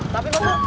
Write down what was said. tapi mas pur